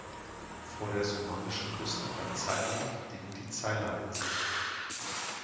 Vor der somalischen Küste bei Zeila liegen die Zeila-Inseln.